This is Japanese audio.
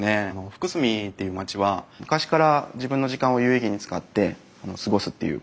福住っていう町は昔から自分の時間を有意義に使って過ごすっていう文化があった町でして。